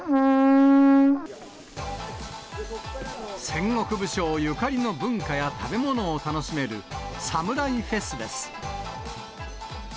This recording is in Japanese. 戦国武将ゆかりの文化や食べ物を楽しめるサムライフェスです。